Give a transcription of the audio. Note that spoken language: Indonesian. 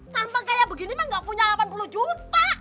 tanpa kayak begini mah gak punya delapan puluh juta